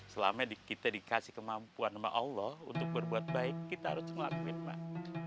selama kita dikasih kemampuan sama allah untuk berbuat baik kita harus ngelakuin mbak